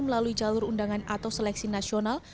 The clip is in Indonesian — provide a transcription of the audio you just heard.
melalui jalur undangan atau seleksi nasional